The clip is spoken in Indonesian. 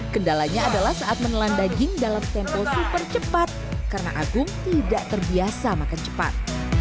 kendalanya adalah saat menelan daging dalam tempo super cepat karena agung tidak terbiasa makan cepat